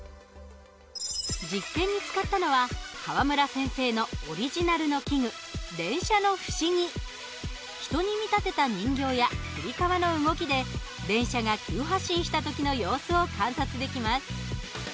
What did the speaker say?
実験に使ったのは川村先生のオリジナルの器具人に見立てた人形やつり革の動きで電車が急発進した時の様子を観察できます。